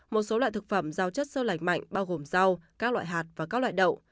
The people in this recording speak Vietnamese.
một số loại thực phẩm rau chất sâu lạnh mạnh bao gồm rau các loại hạt và các loại đậu